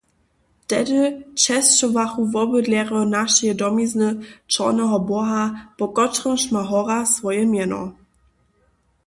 Tehdy česćowachu wobydlerjo našeje domizny čorneho boha, po kotrymž ma hora swoje mjeno.